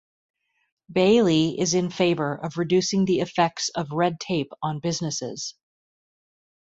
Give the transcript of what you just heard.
Baillie is in favour of reducing the effects of red tape on businesses.